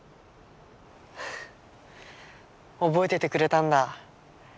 覚えててくれたんだ。